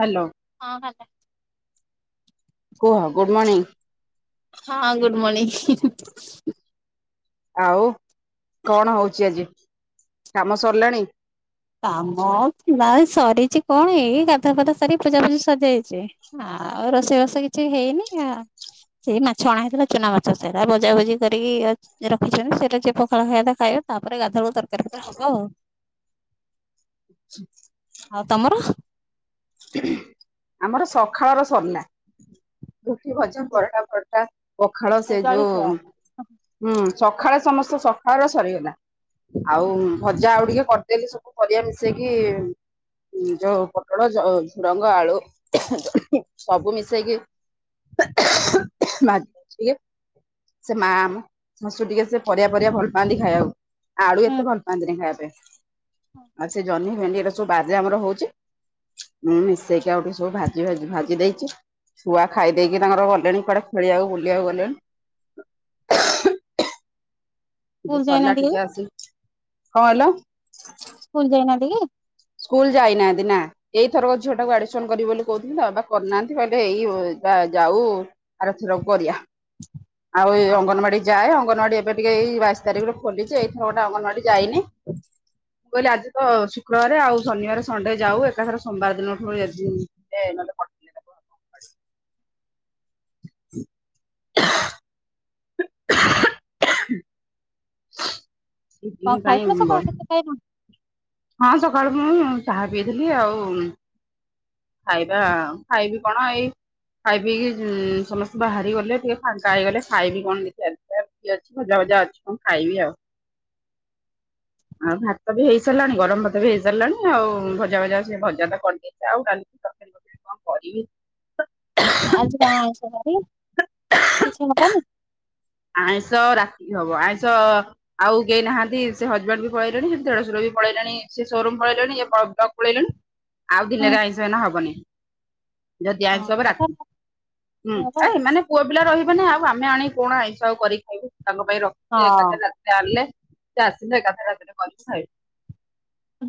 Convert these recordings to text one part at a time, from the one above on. Hello. ହଁ। କୁହ good morning. ହଁ ହଁ ଗୁଡ଼୍ ମର୍ଣ୍ଣି। ଆଉ କଣ ହଉଛି ଆଜି, କାମ ସରିଲାଣି? କାମ ନାଇ ସରିଛି କଣ, ଏଇ ଗାଧାପାଧା ସରି ପୂଜା ପୂଜି ସରିଯାଇଛି। ଆଁ ଆଉ ରୋଷେଇବାସ କିଛି ହେଇନି ଆ। ସେଇ ମାଛ ଅଣା ହେଇଥିଲା ଚୁନା ମାଛ ସେରା ଭଜାଭୁଜି କରିକି ଅ। ରଖିଛି ସେରା ଯିଏ ପଖାଳ ଖାଇବା କଥା ଖାଇବ, ତାପରେ ଗାଧୁଆବେଳୁ ତରକାରୀ ପତର ହବ ଆଉ। ହ [inaudible] ଆଉ ତମର। ଆମର ସକାଳ ର ସରିଲା ରୁଟିି, ଭଜା, ପରଟା ଫରଟା। ପଖାଳ ସେ ଯୋଉ। ଜଳଖିଆ ହୁଁ ସକାଳେ ସମସ୍ତେ ସକାଳ ର ସରିଗଲା, ଆଉ ଭଜା ଆଉ ଟିକେ। ଦେଲି ସବୁ ପରିବା ମିଶେଇକି, ଯୋଉ ପୋଟଳ ଝୁଡ଼ଙ୍ଗ, ଆଳୁ, ଜହ୍ନି ସବୁ ମିଶେଇକି ଭାଜି ଦଉଚି ଟିକେ। ସେ ମା ଆମ, ଶାଶୁ ଟିକେ ସେ ପରିବା ପରିବା ଭଲ ପାଆନ୍ତି ଖାଇବାକୁ। ଆଳୁ ହୁଁ ଏତେ ଭଲ ପାଆନ୍ତିନି ଖାଇବା ପାଇଁ, ଆଉ ସେ ଜହ୍ନି ଭେଣ୍ଡି ଏରା ସବୁ ବାରିରେ ଆମର ହଉଚି। ମୁଁ ମିଶେଇକି ଆଉ ଟିକେ ସବୁ ଭାଜି ଭାଜି ଭାଜି ଦେଇଚି। ଛଆ ଖାଇ ଦେଇକି ତାଙ୍କର ଗଲେଣି କୁଆଡ଼େ ଖେଳିବାକୁ ବୁଲିବାକୁ ଗଲେଣି। ଟିକେ ସ୍କୁଲ ସରିଲା ଯାଇନାହାନ୍ତି କି? ଟିକେ ଆସି, କଣ କହିଲ? ସ୍କୁଲ ଯାଇନାହାନ୍ତି କି? ସ୍କୁଲ ଯାଇ ନାହାନ୍ତି, ନା। ଏଇଥରକ ଝିଅ ଟାକୁ ଆଡମିସନ କରିବି ବୋଲି କହୁଥିଲି, ତା ବାବା କରିନାହାନ୍ତି, କହିଲେ ଏଇ ଯା ଯାଉ ଆର ଥରକୁ କରିଆ, ଆଉ ଏଇ ହଁ ହଁ ଅଙ୍ଗନବାଡି ଯାଏ, ଅଙ୍ଗନୱାଡି ଏବେ ଟିକେ ଏଇ ବାଇଶି ତାରିଖରେ ଖୋଲିଚି, ଏଇଥର ଟା ଅଙ୍ଗନୱାଡି ଯାଇନି। ମୁଁ କହିଲି ଆଜି ତ ଶୁକ୍ରବାର, ଆଉ ଶନିବାର ସଣ୍ଡେ ଯାଉ, ଏକାଥରେ ସୋମବାର ଦିନ ଠୁ ଆଜି [unintelligible] [unintelligible] ଦି କଣ ଦିନ ପାଇଁ ଖାଇଥିଲ ସକାଳୁ, ବଢି କିଛି ଖାଇନ? ହଁ, ସକାଳୁ ମୁଁ ଚାହା ପିଇଥିଲି ଆଉ ଖାଇବା ଖାଇବି କଣ ଏଇ ଖାଇ ପିକି ସମସ୍ତେ ବାହାରି ଗଲେ, ଟିକେ ଫାଙ୍କା ହେଇଗଲେ ଖାଇବି କଣ ଦେଖିଆ ଦିଟା। ରୁଟି ଅଛି, ଭଜା ଭାଜା ଅଛି କଣ ଖାଇବି ଆଉ। [inaudible] ଆଉ ଭାତ ବି ହେଇଚି ସାରିଲାଣି, ଗରମ ଭାତ ବି ହେଇସାରିଲାଣି, ଆଉ ଭଜା ଭଜା ସିଏ ଭଜା ତ କରିଦେଇଚି, ଆଉ ଡାଲି କି ତରକାରି ପ କଣ କରିବି? ଆଜି କଣ ଆଇଁଷ ବାରି, କିଛି ହବନି? ଆଇଁଷ ରାତିକି ହବ, ଆଇଁଷ ଆଉ କେହି ନାହାନ୍ତି, ସେ ହଜବେଣ୍ଡ ବି ପଳେଇଲେଣି, ସେ ଦେଢସୁର ବି ପଳେଇଲେଣି, ସେ ସୋରୁମ ପଳେଇଲେଣି, ଇଏ [unintelligible] ପଳେଇଲେଣି। ଆଉ ହୁଁ ଦିନରେ ଆଇଁଷ ଏନା ହବନେହିଁ। ଯଦି ହଁ ଆଇଁସ ହବ ହଁ ରାତି, ହୁଁ, ଆଉ ଏ ମାନେ ପୁଅ ପିଲା ରହିବେ ନାହି, ଆଉ ଆମେ ଆଣି କଣ ଆଇଁଷ ଆଉ କରି ଖାଇବୁ, ତାଙ୍କ ପାଇଁ ରଖି ଏକାଥରେ ରାତି। ଯାହେଲେ, ସେ ଆସିଲେ ଏକାଥରେ ରାତିରେ କରିକି ଖାଇବୁ।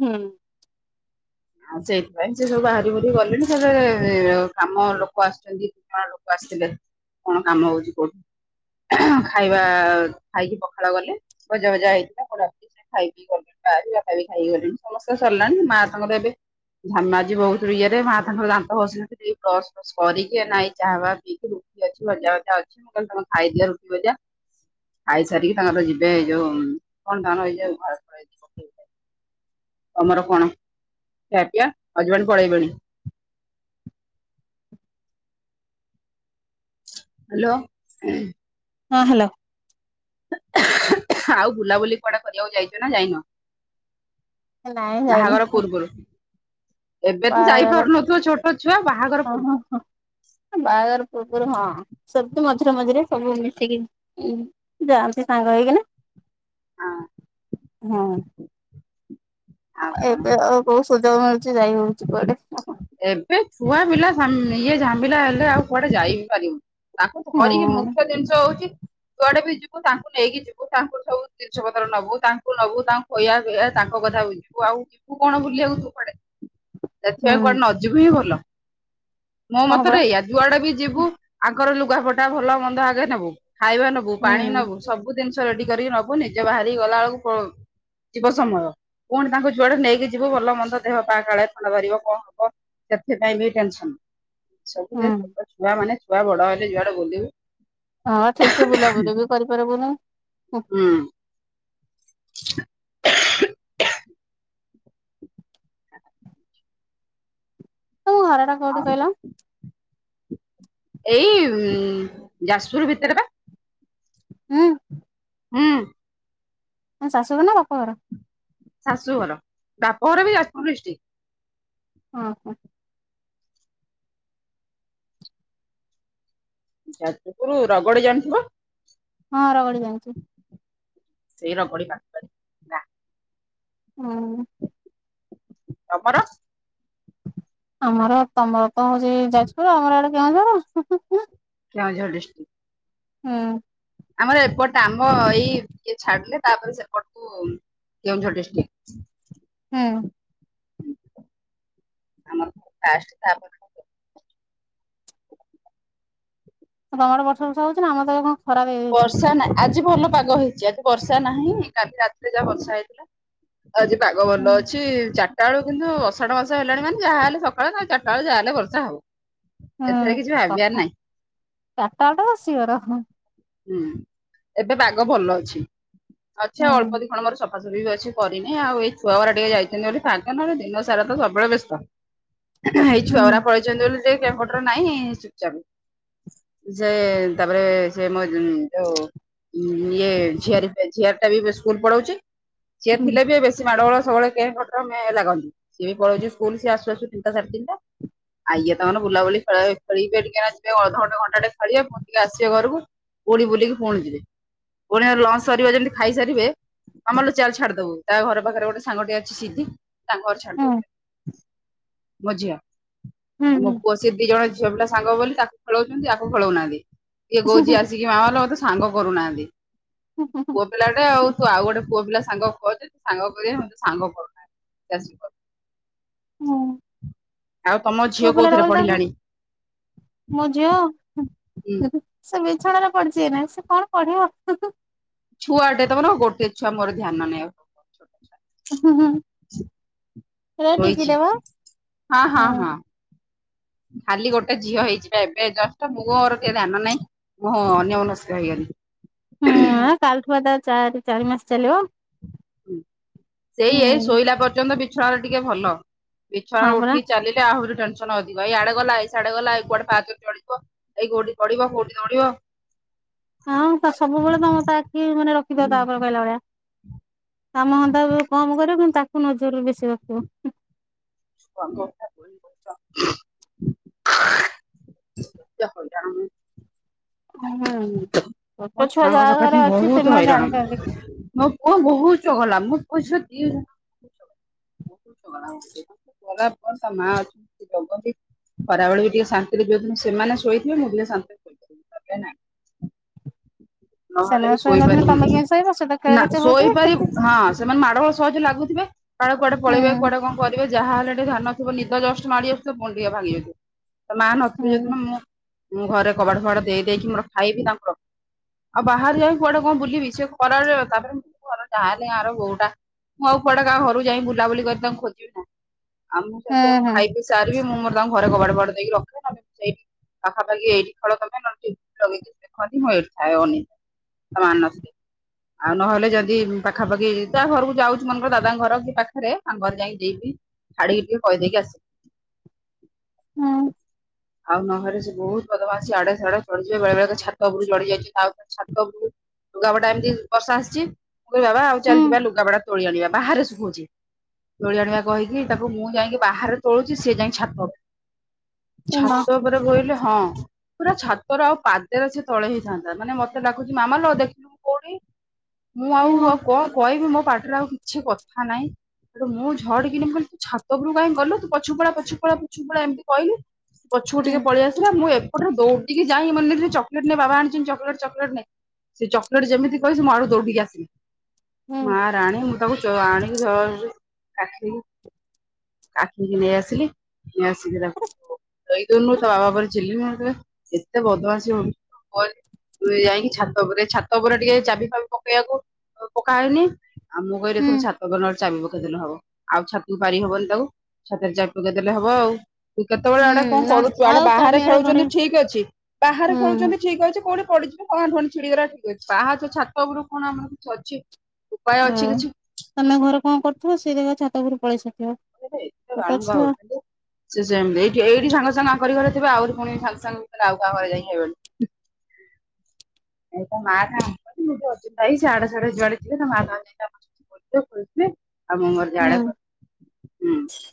ହୁଁ। ଆଉ ସେଇଥିପାଇଁ ସେ ସବୁ ବାହାରି ଭୁରି ଗଲେଣି, ସେବେ କାମ ଲୋକ ଆସୁଚନ୍ତି ହଁ ଲୋକ ଆସିଥିଲେ, କଣ କାମ ହଉଚି କୋଉଠୁ? ଖାଇବା, ଖାଇକି ପଖାଳ ଗଲେ, ଭଜା ଭଜା ହେଇଥିଲା, ପୋଡାପୋଡ଼ି ସେ ଖାଇ ପିଇ ଗଲେଣି, ବା ବାପା ବି ଖାଇ ଗଲେଣି ସମସ୍ତେ ସରିଲାଣି, ମା ତାଙ୍କର ଏବେ ଧାମାଜି ବହୁତ ଇଏରେ, ମା ତାଙ୍କର ଦାନ୍ତ ଘଷୁଚନ୍ତି ଇଏ ବ୍ରସ ସରିକି, ଏଇନା ଏଇ ଇନାଚାହା ଫାହା ପିଇକି ରୁଟି ଅଛି ଭଜା ଭଜା ଅଛି, ମୁଁ କହିଲି ତମେ ଖାଇଦିଅ ରୁଟି ଭଜା। ଖାଇସାରିକି ତାଙ୍କର ଯିବେ ଏଇ ଯୋଉ, କଣ ତାଙ୍କ ଘର ଫର ଯଦି ପକେଇବେ। ତମର କଣ? ଖିଆପିଆ, ହଜବେଣ୍ଟ ପଳେଇବେଣି? ହାଲୋ। ହଁ, ହାଲୋ। ଆଉ ବୁଲାବୁଲି କୁଆଡେ କରିବାକୁ ଯାଇଚ ନା ଯାଇନ? ନାଇଁ ଯାଇନି ବାହାଗର ପର୍ବରୁ। ଏବେ ତ ବାହାଘର ଯାଇପାରୁନଥିବ ଛୋଟ ଛୁଆ ବାହାଘର ହଁ ପୁରୁବରୁ। ହଁ ବାହାଘର ପୂର୍ବରୁ ହଁ। ସେମତି ମଝିରେ ମଝିରେ ସବୁ ମିଶିକି ଯାଆନ୍ତି ସାଙ୍ଗ ହେଇକିନା। ହଁ ହଁ। ଆଉ ଏବେ ଆଉ ବହୁତ ସୁଯୋଗ ମିଳୁଛି ଯାଇ ହଉଛି କୁଆଡେ। ଏବେ ଛୁଆ ପିଲା ଇଏ ଝାମେଲା ହେଲେ ଆଉ କୁଆଡେ ଯାଇ ବି ପାରିବୁ। ତାକୁ ଧରିକି ହୁଁ ମୁଖ୍ୟ ଜିନିଷ ହଉଛି। କୁଆଡେ ବି ଯିବୁ ତାଙ୍କୁ ନେଇକି ଯିବୁ ତାଙ୍କୁର ସବୁ ଜିନିଷ ପତ୍ର ନବୁ ତାଙ୍କୁ ନବୁ ତାଙ୍କୁ କହଆ କ ତାଙ୍କ କଥା ବୁଝିଲ ଆଉ ଯିବୁ କଣ ବୁଲିବାକୁ ତୁ କୁଆଡେ ସେଥିପାଇଁ ହୁଁ। କୁଆଡେ ନ ଯିବୁ ହିଁ ଭଲ। ମୋ ହଁ ପରା ମତରେ ଏଇଆ ଯୁଆଡେ ବି ଯିବୁ ଆଙ୍କର ଲୁଗାପଟା ଭଲ ମନ୍ଦ ଆଗେ ନେବୁ ଖାଇବା ନବୁ। ନବୁ ହୁଁ ପାଣି ନବୁ ସବୁ ଜିନିଷ ରେଡି କରିକି ନବୁ ନିଜେ ବାହାରି ଗଲା ବେଳକୁ ଯିବ ସମୟ। ପୁଣି ତାଙ୍କୁ ଯୁଆଡେ ନେଇକି ଯିବୁ ଭଲ ମନ୍ଦ ଦେହ ପାହା କାଳ ଥଣ୍ଡା ବାହାରିବ କଣ ହବ। ସେଥିପାଇଁ ବି ଟେନସନ। ହୁଁ ସବୁଥି ଛୋଟ ଛୁଆ ମାନେ ଛୁଆ ବଡ ହେଲେ ଯୁଆଡେ ବୁଲିବୁ ହଁ ଠିକ ସେ ବୁଲାବୁଲି ବି କରିପାରିବୁନି। ହୁଁ। [inaudible] ତମ ଘର ଟା? କୋଉଠି କହିଲ ଏଇ ଯାଜପୁର ଭିତରେ ବା। ହୁଁ। ହୁଁ। ଶାଶୁଘ ନା ବାପା ଘର? ଶାଶୁ ଘର ବାପଘର ବି ଯାଜପୁର ଡିଷ୍ଟ୍ରିକ। ଓହୋ। ଯାଜପୁର ରଗଡି ଜାଣିଥିବ? ହଁ ରଗଡ଼ି ଯାଣିଛି। ସେଇ ରଗଡି ପାଖରେ। ହଁ। ତମର? ତମର ତ ହଉଛି ଯାଜପୁର ଆମର ଆଡେ କେଉଁଝର। କଉଁଝର ଡିଷ୍ଟ୍ରିକ୍। ହୁଁ। ଆମର ଏପଟ ଆମ ଏଇ ଇଏ ଛାଡିଲେ ତାପରେ ସେପଟକୁ କେଉଁଝର ଡିସଟ୍ରିକ। ହୁଁ। କାଷ୍ଟ ସ୍ଥାପ ତମର ବର୍ଷ ବର୍ଷ ହଉଛି ଆମ ତ ଏ କଣ ଖରା ହେଇଯାଇଛି। ବର୍ଷା ନାହିଁ ଆଜି ଭଲ ପାଗ ହେଇଛି ଆଜି ବର୍ଷା ନାହିଁ କାଲି ରାତିରେ ଯାହା ବର୍ଷା ହେଇଥିଲା ଆଜି ପାଗ ହୁଁ ଭଲ ଅଛି ଚ ଚାରା ବଳୁନ୍ତୁ ଅଢ ମାର୍ ହେଲାଣିନ ଯାହା ହେଲେ ସକା ତାଉ ଚାରଟା ବେ ଯାହା ହେଲେ ବର୍ଷା ହବ। ଏଥରେ କିଛି ଭାବିବାର ଚାରିଟା ନାଇଁ। [unintelligible] ହୁଁ ଏବେ ବାଘ ଭଲ ଅଛି ଅଛ ହୁଁ ଅଳ୍ପ ଦିଖଣ ମୋର ସବ ହସ ବି ଅଛି କରିନି ଆଉ ଏଇ ଛୁଆଗୁରା ଟିକେ ଯାଇଛନ୍ତି ବୋଲି ଫାଙ୍କା ନହେଲେ ଦିନ ସାରା ତ ସବୁବେଳେ ବ୍ୟସ୍ତ। ହେଇ ଛୁଆ ହୁଁ ଗୁରା ପଳେଇ ଚନ୍ତି ବୋଲି ସେ କେଁ କଟର ନାହିଁ ଚୁପଚାପ ସେ ତାପରେ ସେ ମଇ ହୁଁ ଯୋଉ ଇଏ ଝିଆରୀ ପାଇଁ ଝିଅରୀ ଟା ବି ସ୍କୁଲ ପଳଉଚି। ସିଏ ହୁଁ ଥିଲେ ବି ଏବେ ସେ ମାଡ଼ ଗୋଳ ସବୁବେଳେ କେଁ କଟର ମେଁ ଲାଗନ୍ତି। ସିଏ ବି ପଳଉଚି ସ୍କୁଲ ସେ ଆସୁ ଆସୁ ତିନିଟା ସାଢେ ତିନିଟା। ଆ ଇଏତ ଆମର ବୁଲାବୁଲି ଖେଳ ଖେଳିବେ ଟିକେ ଯିବେ ଅଧଘଣ୍ଟା ଘଣ୍ଟା ଟେ ଖେଳିବେ ପୁଣି ଟିକେ ଆସିବେ ଘରକୁ। ପୁଣି ବୁଲିକି ପୁଣି ଯିବେ ପୁଣି ଲଞ୍ଚ ସରିବ ଯେମିତି ଖାଇସାରିବେ ମାମା ଲୋ ଚାଲେ ଛାଡି ଦବୁ ତା ଘର ପାଖରେ ଗୋଟେ ସାଙ୍ଗଟିଏ ଅଛି ସିଦ୍ଧି। ତାଙ୍କ ଘରେ ଛାଡି ଦବୁ ମୋ ଝିଅ, ମୋ ହୁଁ ପୁଅ ସେ ଦି ଜଣ ଝିଅ ପିଲା ସାଙ୍ଗ ବୋଲି ତାକୁ ଖେଳେଉଚନ୍ତି ଆକୁ ଖେଳଉନାହାନ୍ତି। ଇଏ କୋହୁଚି ଆ [unintelligible] ମା ଲୋ ମୋତେ ସାଙ୍ଗ କରୁନାହାନ୍ତି। ପୋ ପିଲାଟେ ଆଉ ତୁ ଆଉ ଗୋଟେ ପୁଅ ପିଲା ସାଙ୍ଗ ଖୋଜ ସାଙ୍ଗ କରିବା ମୋତେ ସାଙ୍ଗ କରୁନାହାନ୍ତି। [unintelligible] କର। ହୁଁ ଆଉ ତମ ପୁଅ ଝିଅ ପିଲା ଟା କୋଉଥିରେ ବୋଲି ତାକୁ ପଢିଲାଣି ମୋ ଝିଅ ହୁଁ ସେ ବିଛଣାରେ ପଡିଛି ଏଇ ନେ ସେ କଣ ପଢିବ। ଛୁଆଟେ ତମର ଗୋଟେ ଛୁଆ ମୋର ଧ୍ୟାନ ନାଇ ଆଉ ହୁଁ ହୁଁ ହୁଁ ଏଇଟା ଟିକି ଶୋଇଛି ଟା ପା ହଁ ହଁ ହୁଁ। ହଁ ଖାଲି ଗୋଟେ ଝିଅ ହେଇଛି ଏବେ ଜଷ୍ଟ ମୋର ଧ୍ୟାନ ନାହିଁ ମୁଁ ଅନ୍ୟମନସ୍କ ହେଇଗଲି। ହୁଁ କାଲି ଠୁ ବା ଚା ଚାରି ମାସ ଚାଲିବ। ସେଇ ହୁଁ ଏଇ ଶୋଇଲା ପର୍ଯ୍ୟନ୍ତ ବିଛଣାରେ ଟିକେ ଭଲ। ହଁ ବିଛଣାରେ ପରା ଉଠିକି ଚାଲିଲେ ଆହୁରି ଟେନସନ ଅଧିକ ଏଇଆଡେ ଗଲା ସେଆଡେ ଗଲା ଏଇ କୁଆଡେ ପାହାଚରେ ଚଢିଯିବ ଏଇ ଗୋଡି ପଡିବ କୋଉଠି ଦୌଡିବ। ହଁ ସବୁବେଳେ ତମେ ତା ଆଖି ମାନେ ରଖିଥବ ତାଉପରେ କହିଲା ଭଳିଆ କାମ ଧନ୍ଦା କମ୍ କରିବ କିନ୍ତୁ ତାକୁ ନଜରରେ ବେଶୀ ରଖିବ। [unintelligible] କଥା ହଇରାଣ ହୁଁ ମୋ ଛୋଟ ଛୁଆ ଛୁଆଙ୍କ ଜାହା ସକାଶେ ଘରେ ଅଛି ବହୁତ ସେମାନେ ହଇରାଣ ଜାଣିଛନ୍ତି ମୋ ପୁଅ ବହୁତ ଚଗଲା ମୋ ପୁଅଝିଅ ଦି [inaudible] ବରାବର ତା ମା ଅଛନ୍ତି ସେ ଜଗନ୍ତି। ଖରାବେଳେ ବି ଟିକେ ଶାନ୍ତିରେ ଯୋଉଦିନ ସେମାନେ ଶୋଇଥିବେ ମୁଁ ଟିକେ ଶାନ୍ତିରେ ଶୋଇପାରିବି ନହେଲେ ନାଇଁ ନହେଲେ ବି ସେମାନେ ଶୋଇନଥିଲେ ତମେ ଶୋଇପାରିବୁନି କେମିତି ଶୋଇବ ସେ ତ କେଳ ନା କେଚେ ହଉଥିବେ। ଶୋଇପାରିବ ହଁ ସେମାନେ ମାଡ଼ ଗୋଳ ସହଜେ ଲାଗୁଥିବେ କାଳେ କୁଆଡେ ହୁଁ ପଳେଇବେ କୁଆଡେ କଣ କରିବେ ଯାହା ହେଲେ ଟେ ଧ୍ୟାନ ଥିବ ନିଦ ଜଷ୍ଟ ମାଢି ଆସୁଥିବ ପୁଣି ଟିକେ ଭାଙ୍ଗି ଯାଉଥିବ ତ ମା ନଥିବେ ହୁଁ ଯେଉଦିନ ମୁଁ ମୁଁ ଘରେ କବାଟ ଫବାଟ ଦେଇଦେଇକି ମୋର ଖାଇବି ତାକୁ ରଖି ଆଉ ବାହାରିଲେ କୁଆଡେ କଣ ବୁଲିବି ସେ ଖରା ତାପରେ ମୁଁ ଘର ଯାହା ହେଲେ ଗାଁର ବୋହୁଟା। ମୁଁ ଆଉ କୁଆଡେ କାହା ଘରୁକୁ ଯାଇ ବୁଲାବୁଲି କରି ତାଙ୍କୁ ଖୋଜିବି ନା ଆଉ ମୁଁ ହୁଁ ସେଥିପାଇଁ ମୁଁ ହୁଁ ଖାଇକି ସାରିବି ମୁଁ ମୋର ତାଙ୍କୁ ଘରେ କବାଟ ଫବାଟ ଦେଇକି ରଖିବି ନହେଲେ ସେ ପାଖାପାଖି ଏଇଠି ଖେଳ ତମେ ନହେଲେ ଟି ଭି ଲାଗେଇକି ଦେଖନ୍ତି ମୁଁ ଏଇଠି [unintelligible] ଆଉ ନହେଲେ ଯଦି ପାଖାପାଖି କା ଘରକୁ ଯାଉଛି ମନେକର ଦାଦାଙ୍କ ଘର କି ପାଖରେ ତାଙ୍କଘରେ ଯାଇକି ଦେଇକି ଛାଡିକି ଟିକେ କହିଦେଇକି ଆସିବି ହୁଁ ଆଉ ନହେଲେ ସେ ବହୁତ ବଦମାସି ଆଡେ ସଡେ ଚଢଯିବ ବେଳେ ବଳେ ଛାତ ଉପରୁ ଚଢି ଯାଇଛି ଆଉ ଛାତ ଉପରକୁ ଲୁଗାପଟା ଏମିତି ବର୍ଷା ଆସିଛି। ମୁଁ କହିଲି ବାବା ଆଉ ଚାଲ୍ ଯିବା ହୁଁ ଲୁଗାପଟା ତୋଳି ଆଣିବା ବାହାରେ ଶୁଖୁଛି। ତୋଳି ଆଣିବା କହିକି ତାକୁ ମୁଁ ଯାଇକି ବାହାରେ ତୋଳୁଚି ସେ ଯାଇକି ଛାତ ଉପରେ ଏ ମା ଛାତ ଉପରେ କହିଲେ ହଁ। ପୁରା ଛାତର ଆଉ ପାଦରେ ସେ ତଳେ ହେଇଥାନ୍ତା ମାନେ ମତେ ଡାକୁଛି ମାମା ଲୋ ଦେଖିଲୁ ମୁଁ କୋଉଠି ମୁଁ ଏ ମା ଆଉ କଣ କହିବି ମୋ ପାର୍ଟିରେ ଆଉ କିଛି କଥା ନାହିଁ ଏଠୁ ମୁଁ ଝଡଡ଼ିନି କହଲି ତୁ ଛାତ ଉପରୁ କାହିଁ ଗଲୁ ପଛ ପଳା ପଛୁ ପଳା ପଛୁ ପଳା ଏମିତି କହିଲି ହୁଁ ପଛକୁିଟିକେ ପଳେଇ ଆସିଲ ମୁଁ ଏପଟେ ଦଉିକି ଯାଇଁ ମେ ନେଇି ଚକଲେଟ ନାଇଁ ବାବା ଆଣିଛନ୍ତି ଚକଲେଟ ଚକଲେଟ ନେ। ସେ ଚକୋଲେଟ ଯେମିତି କହିଚି ମୁଁ ଆଡୁ ଦୌଡିକି ଆସିଲି ହୁଁ ମା ଟାଣୀ ମୁଁ ତାକୁ ଆଣିକି କାଖେଇଲି। କାଖେଇକି ନେଇ ଆସିଲି ନେଇ ଆସିକି ତାକୁ ସେଇ ଦିନରୁ ତା ବାବା ଉପରେ ଚିଲି ଏତେ ବଦମାସି ହଉଛୁ ତୁଯାଇକି ଛାତ ଉପରେ ଛାତ ଉପରେ ଟିକେ ଚାବି ଫାବି ପକେଇବାକୁ ପକାହଉନି ଆଉ ମୁଁ କହିଲି ଏ ହୁଁ ଥର ଛାତ ଉପରେ ଚାବି ପକେଇ ଦେଲେହବ ଆଉ ଛାତ ପାରି ହବନି ତାକୁ ଛାତରେ ଚାବି ପକେଇ ଦେଲେ ହବ ଆଉ ତୁ କେତେବେଳେ ଅଡେ?? କଣ ହୁଁ ନ କରୁଛୁ ଆଡେ ଆଉ ବାହାରେ ତମେ ଆଡେ ଘରେ ଖେଳୁଛନ୍ତି ଠିକ ଅଛି ବାହାରେ ହୁଁ ଖେଳୁଛନ୍ତି ଠିକ ଅଛି କୋଉଠି ପଡିଯିବେ। କଣ ଆଣ୍ଠୁ ପାଣ୍ଠୁ ଛିଡି ଗଲା ଠିକ ଅଛି ପାହାଚ ଛାତ ଉପରୁ କଣ ଆମର କିଛି ଅଛି? ଉପାୟ ହଁ ଅଛି କିଛି ତମେ ଘରେ କଣ କରୁଥିବ ସେ ଦେଖି ଛାତ ଉପରୁ ପଳେଇ ସାରିଥିବ। ଏଟା ଏତେ ଛୋଟ ବାଳୁଙ୍ଗା ଛୁଆ ହଉଚି। ସେସେମିତି ଏଇଠି ଏଇଠି ସାଙ୍ଗ ସାଙ୍ଗ ଆଙ୍କରି ଘରେ ଥିବ ଆହୁରି ପୁଣି ସାଙ୍ଗ ସାଙ୍ଗେ ଆଉ କାହା ଘରେ ଯାଇ ହେବେଣୀ। ଏଇଁ ମା [unintelligible] ଯୁଆଡେ ଯିବେ [unintelligible] ହୁଁ [unintelligible]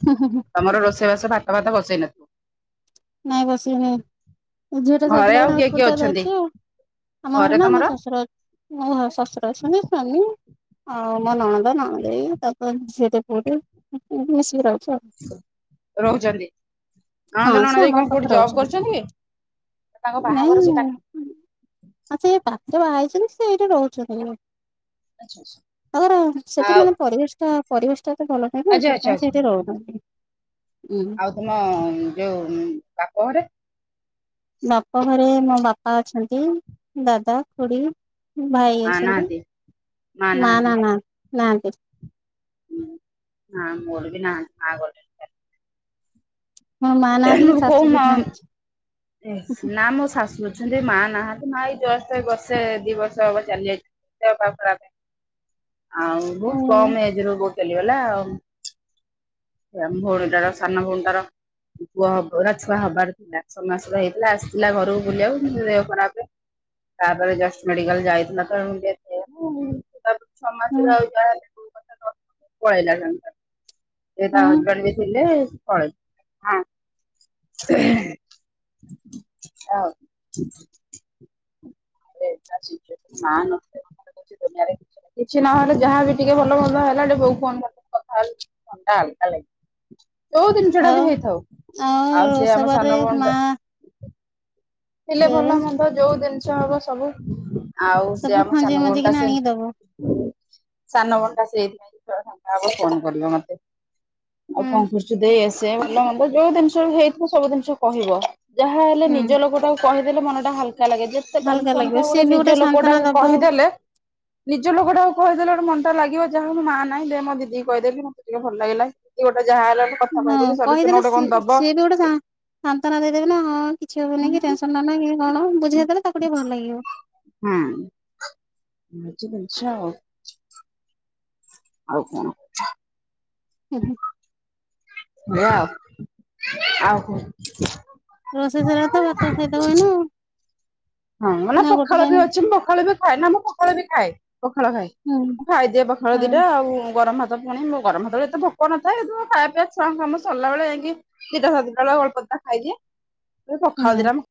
ହୁଁ ହଁ ହୁଁ। ତମର ରୋଷେଇବାସ ଭାତ ଭାତ ବସେଇ ନଥିବ? ନାଇଁ ବସେଇନି ଝିଅ ଟା ଘରେ ଆଉ କିଏ କିଏ ସେଇଥିଲାଉଟା ଅଛନ୍ତି? ଅଛି ଆଉ। ଆମ ଘରେ ନା ଆମ ଶଶୁର ମୋ ଶଶୁର ଅଛନ୍ତି ମୋ ସ୍ୱାମୀ ଆଉ ମୋ ନଣଦ ନଣ ଦେଇ ତାପରେ ଝିଅଟିଏ ପୁଅଟିଏ ସବୁ ମିଶିକି ରହିଛୁ ଆଉ। ରହୁଛନ୍ତି ନଣଦ ହଁ ସେ ନନଦେଇ ଆମ କଣ କୋଉଠି ପାଖରେ ଜବ୍ ରହୁଛନ୍ତି କରୁଛନ୍ତି କି ତାଙ୍କ ବାହାଘର ସେଇ କା। ଆଛା ଏଇ ପାତ ବାହା ହେଇଛନ୍ତି ସେ ଏଇଠି ରହୁଛନ୍ତି? ତାଙ୍କର ସେଠି ଆଉ ମାନେ ପରିବେଶ ଟା ପରିବେଶ ଟା ଏତେ ଭଲ ନାହିଁ ନା ଆଚ୍ଛା ଆଚ୍ଛା ସେଥିପାଇଁ ଆଛା ସେଇଠି ରହୁଛନ୍ତି। ଉଁ ଆଉ ତମ ଯୋଉ ବାପଘରେ? ବାପ ଘରେ ମୋ ବାପା ଅଛନ୍ତି ଦାଦା ଖୁଡି। ଭାଇ ମା ଅଛନ୍ତି ନାହାନ୍ତି ମା ମାଆ ନାହାନ୍ତି। ନା ନା ନା ନାହାନ୍ତି। ହୁଁ ହଁ ମୋର ବି ନାହାନ୍ତି ମା ଗଲେଣି। ମା ନାହାନ୍ତି କିି କୋଉ ଶାଶୁ ବି ମା ନାହାନ୍ତି। [unintelligible] ନା ମୋ ଶାଶୁ ଅଛନ୍ତି ମା ନାହାନ୍ତି ମା ଏଇ ଜଷ୍ଟ୍ ଏଇ ବର୍ଷେ ଦି ବର୍ଷ ହେବ ଚାଲି ଯାଇଛି। [unintelligible] ଆଉ ବହୁତ ହୁଁ କମ ଏଜ ରୁ ବୋଉ ଚାଲିଗଲା ଆଉ। ଆମ ଭଉଣୀଟାର ସାନ ଭଉଣୀ ତାର ପୁଅ ହବ ନା ଛୁଆ ହବାର ଥିଲା ଛଅ ମାସର ହେଇଥିଲା ଆସିଥିଲା ଘରକୁ ବୁଲିବାକୁ ଦେହ ଖରାପ। ତାପରେ ଜଷ୍ଟ ମେଡିକାଲ ଯାଇଥିଲା ତ ଡେଥ ହୁଁ ହେଇଗଲା ଆଉ। [unintelligible] ସେ ତା ହୁଁ ହଜବେଣ୍ଡ ବି ଥିଲେ ପଳେଇଲେ। [unintelligible] [unintelligible] ଦନିଆରେ କିଛି ନହେଲେ ଯାହାବ ବି ଟିକେ ଭଲ ଭଲ ହେଲା ଏ ବୋଉ କୁ ଫୋନ୍ କରିଦେଲୁ କଥା ହେ। ଟା ହାଲକା ଲାଗ ଯୋଉ ଜିନିଷ ଟା ଆଉ ବି ହେଇଥାଉ ଆଉ ସେ ଆମ ରୋଷବାରରେ ସାନ ମା ଭଉ ଲେ ସେ ଭଲ ମନ୍ଦ ଯୋଉ ଜିନିଷ ହବ ସବୁ ଆଉ ସେ ସବୁ ଆମ ଖଞ୍ଜେଇ ସାନ ଭଉଣ ଟା ମଞ୍ଜିକିନା ସେ ଆଣିକି ଦବ ସାନ ଭଉଣୀଟା ସେଇଥିପାଇଁ ଫଙ୍କା ହବ ଫୋନ କରିବ ମତେ। ଆଉ ହୁଁ କଣ ଦେଇ ଇଏ ସିଏ ଭଲ ମନ୍ଦ ଯୋଉ ଜିନିଷ ହେଇଥିବ ସବୁ ଜିନିଷ କହିବ। ଯାହା ହେଲେ ହୁଁ ନିଜ ଲୋକଟାକୁ କହିଦେଲେ ମନ ଟା ହାଲକା ଲାଗେ ଯେ ଯେତେ ହାଲକା ଟେନସନ ଲାଗିବ ଥାଏ ସିଏ ଗୋଟେ ବି ନିଜ ସାନ୍ତନା ଲୋକଟାକୁ ଦବ କହିଦେଲେ ନିଜ ଲୋକଟାକୁ କହିଦେଲେ ଗୋଟେ ମନଟାକୁ ଲାଗିବ ଯାହା ହୋଉ ମୁଁ ମା ନାହିଁ ଦେ ମୋ ଦିଦି କହିଦେଲି ମତେ ଟିକେ ଭଲ ଲାଗିଲା। ଦିଦି ଗୋଟେ ଯା ହେଲେ ହଁ କହିଦେଲେ ସ ସିଏ ବି ଗୋଟେ ସାନ୍ତନା ଦେଇଦେବେ ନା ହଁ କିଛି ହବନି କି ହୁଁ ଟେନ୍ ନା ନା କଣ ବୁଝେଇ ଦେଲେ ତାକୁ ଟିକେ ଭଲ ଲାଗିବ। ହୁଁ ଏଇ ହଉଚି ଜିନିଷ ଆଉ। ଆଉ କଣ? ହୁଁ ହୁଁ। ଏଇଆ ଆଉ ଆଉ କଣ? ରୋଷେଇ ସଇଲାଣି ତ ଭାତ ଖାଇଦବ ଏଇନା ଆଉ। ହଁ ମ ନା ପଖାଳ ବି ଅଛି ମୁଁ ପଖାଳୁ ବି ଖାଏ ନା ମୁଁ ପଖାଳ ବି ଖାଏ। ପଖାଳ ଖାଏ ହୁଁ ମୁଁ ଖାଇଦିଏ ପଖାଳ ହଁ ଦିଟା ଆଉ ଗରମ ଭାତ ପୁଣି ମ ଗରମଭାତ ବେଳେ ଏତେ ଭୋକ ନ ଥାଏ ଖାଇବାଇ ଛଆ କାମ ସିରିଲା ବଳେ ଯାଇକି ଦିଟା ସାଡେଦିନଟା ବେଳେ ଅଳ୍ପ ଦିଟା ଖାଇଦିଏ ହୁଁ। ପଖାଲ ଦିଟା